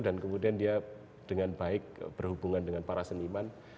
dan kemudian dia dengan baik berhubungan dengan para seniman